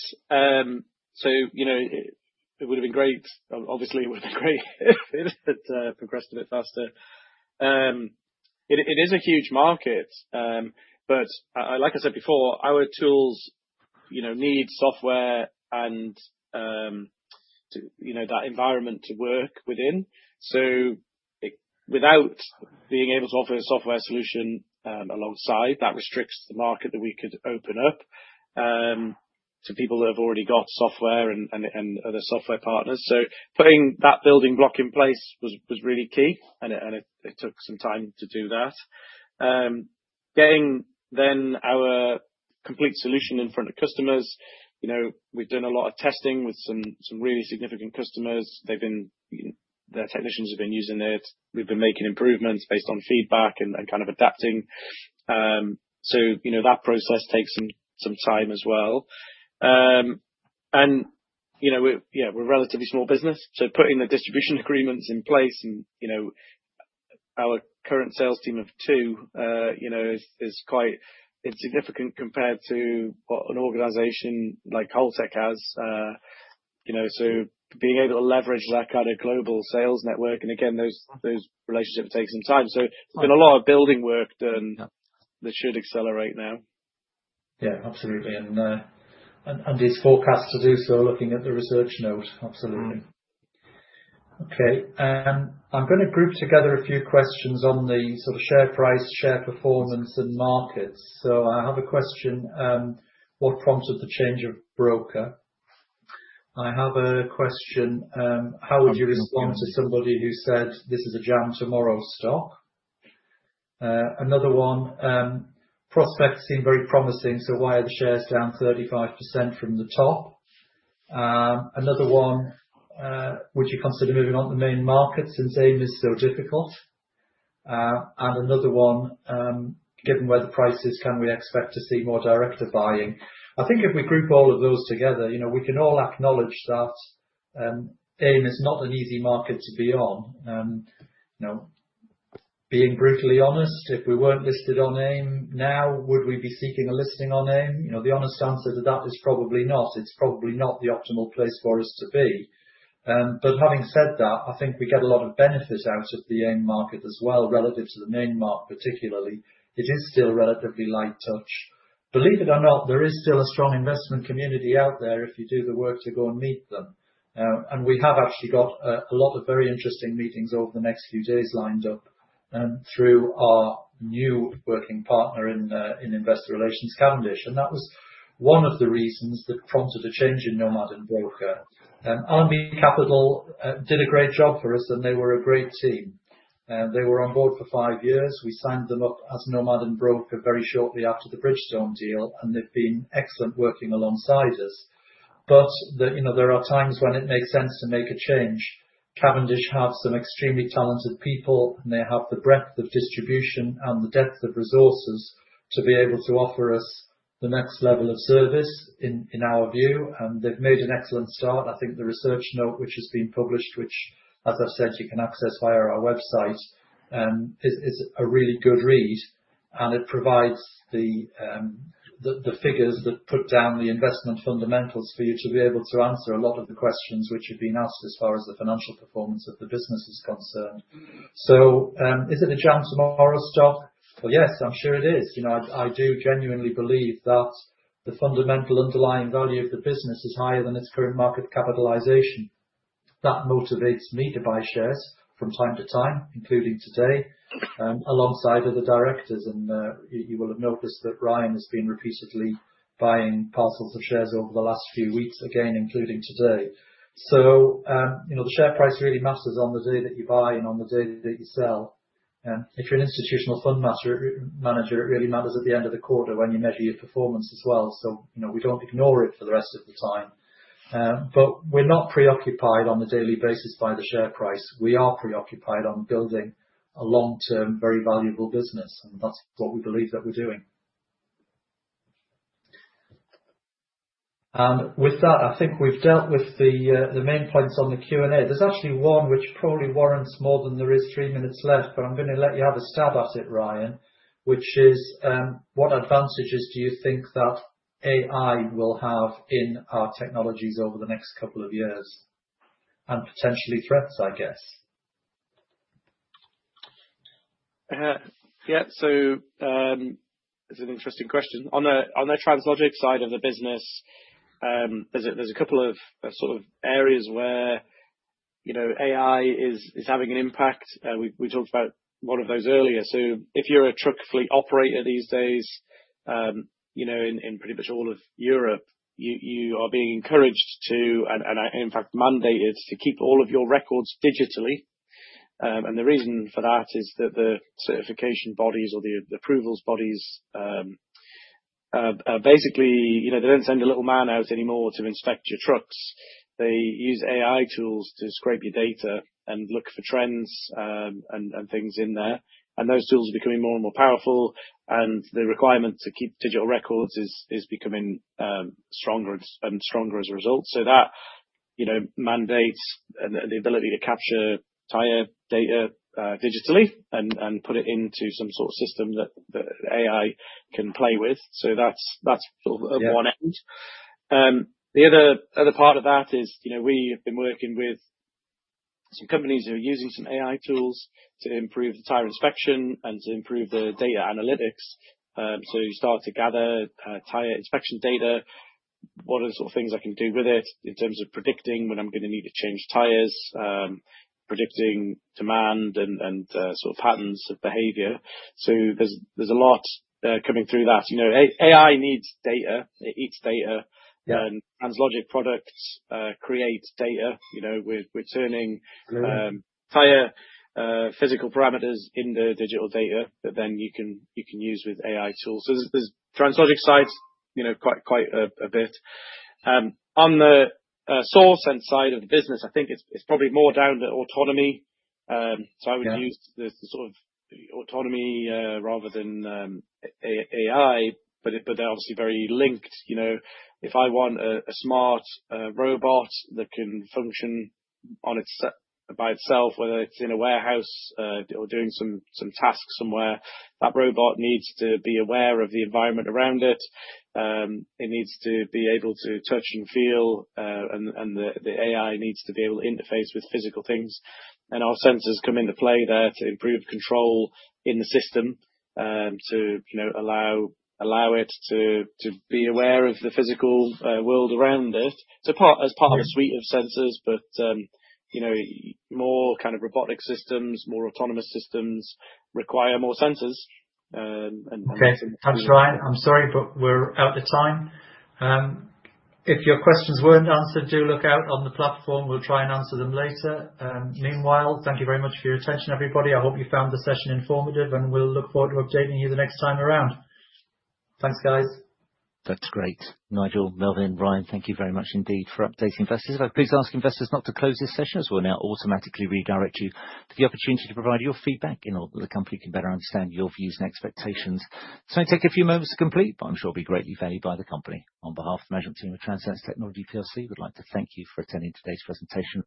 It would have been great if it had progressed a bit faster. It is a huge market. Like I said before, our tools need software and that environment to work within. Without being able to offer a software solution alongside, that restricts the market that we could open up to people that have already got software and other software partners. Putting that building block in place was really key. It took some time to do that. Getting our complete solution in front of customers, we've done a lot of testing with some really significant customers. Their technicians have been using it. We've been making improvements based on feedback and kind of adapting. That process takes some time as well. Yeah, we're a relatively small business. Putting the distribution agreements in place and our current sales team of two is quite insignificant compared to what an organization like Holtec has. Being able to leverage that kind of global sales network and again, those relationships take some time. There has been a lot of building work done that should accelerate now. Yeah. Absolutely. It is forecast to do so looking at the research note. Absolutely. Okay. I'm going to group together a few questions on the sort of share price, share performance, and markets. I have a question. What prompted the change of broker? I have a question. How would you respond to somebody who said, "This is a jam tomorrow stock"? Another one, prospects seem very promising. Why are the shares down 35% from the top? Another one, would you consider moving on to the main market since AIM is so difficult? Another one, given where the price is, can we expect to see more direct buying? I think if we group all of those together, we can all acknowledge that AIM is not an easy market to be on. Being brutally honest, if we were not listed on AIM now, would we be seeking a listing on AIM? The honest answer to that is probably not. It is probably not the optimal place for us to be. Having said that, I think we get a lot of benefit out of the AIM market as well relative to the main market particularly. It is still relatively light touch. Believe it or not, there is still a strong investment community out there if you do the work to go and meet them. We have actually got a lot of very interesting meetings over the next few days lined up through our new working partner in investor relations, Cavendish. That was one of the reasons that prompted a change in Nomad and Broker. Allenby Capital did a great job for us, and they were a great team. They were on board for five years. We signed them up as Nomad and Broker very shortly after the Bridgestone deal. They have been excellent working alongside us. There are times when it makes sense to make a change. Cavendish have some extremely talented people, and they have the breadth of distribution and the depth of resources to be able to offer us the next level of service in our view. They have made an excellent start. I think the research note which has been published, which, as I have said, you can access via our website, is a really good read. It provides the figures that put down the investment fundamentals for you to be able to answer a lot of the questions which have been asked as far as the financial performance of the business is concerned. Is it a jam tomorrow stock? I am sure it is. I do genuinely believe that the fundamental underlying value of the business is higher than its current market capitalization. That motivates me to buy shares from time to time, including today, alongside other directors. You will have noticed that Ryan has been repeatedly buying parcels of shares over the last few weeks, again, including today. The share price really matters on the day that you buy and on the day that you sell. If you are an institutional fund manager, it really matters at the end of the quarter when you measure your performance as well. We do not ignore it for the rest of the time. We are not preoccupied on a daily basis by the share price. We are preoccupied on building a long-term, very valuable business. That is what we believe that we are doing. With that, I think we've dealt with the main points on the Q&A. There's actually one which probably warrants more than there is three minutes left. I'm going to let you have a stab at it, Ryan, which is what advantages do you think that AI will have in our technologies over the next couple of years and potentially threats, I guess? Yeah. It's an interesting question. On the Translogik side of the business, there's a couple of sort of areas where AI is having an impact. We talked about one of those earlier. If you're a truck fleet operator these days in pretty much all of Europe, you are being encouraged to, and in fact, mandated to keep all of your records digitally. The reason for that is that the certification bodies or the approvals bodies basically, they don't send a little man out anymore to inspect your trucks. They use AI tools to scrape your data and look for trends and things in there. Those tools are becoming more and more powerful. The requirement to keep digital records is becoming stronger and stronger as a result. That mandates the ability to capture tire data digitally and put it into some sort of system that AI can play with. That is sort of one end. The other part of that is we have been working with some companies who are using some AI tools to improve the tire inspection and to improve the data analytics. You start to gather tire inspection data, what are the sort of things I can do with it in terms of predicting when I'm going to need to change tires, predicting demand and sort of patterns of behavior. There is a lot coming through that. AI needs data. It eats data. Translogik products create data. We're turning tire physical parameters into digital data that then you can use with AI tools. There is Translogik side quite a bit. On the source end side of the business, I think it's probably more down to autonomy. I would use the sort of autonomy rather than AI. They're obviously very linked. If I want a smart robot that can function by itself, whether it's in a warehouse or doing some tasks somewhere, that robot needs to be aware of the environment around it. It needs to be able to touch and feel. The AI needs to be able to interface with physical things. Our sensors come into play there to improve control in the system to allow it to be aware of the physical world around it. As part of a suite of sensors, more kind of robotic systems, more autonomous systems require more sensors. Okay. Thanks, Ryan. I'm sorry, but we're out of time. If your questions weren't answered, do look out on the platform. We'll try and answer them later. Meanwhile, thank you very much for your attention, everybody. I hope you found the session informative, and we'll look forward to updating you the next time around. Thanks, guys. That's great. Nigel, Melvyn, Ryan, thank you very much indeed for updating investors. If I could please ask investors not to close this session as we'll now automatically redirect you to the opportunity to provide your feedback in order that the company can better understand your views and expectations. It's only taking a few moments to complete, but I'm sure it'll be greatly valued by the company. On behalf of the management team of Transense Technologies, we'd like to thank you for attending today's presentation.